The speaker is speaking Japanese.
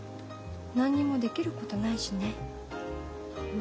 何にもできることないしね。ね。